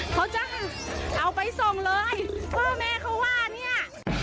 เขาจะเอาไปส่งเลยพ่อแม่เขาว่าเนี่ย